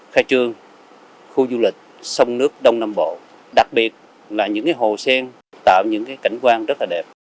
khai trương khu du lịch sông nước đông nam bộ đặc biệt là những hồ sen tạo những cảnh quan rất là đẹp